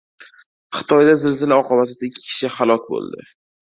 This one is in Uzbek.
Xitoyda zilzila oqibatida ikki kishi halok bo‘ldi